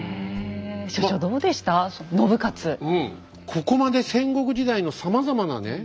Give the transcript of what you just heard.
ここまで戦国時代のさまざまなね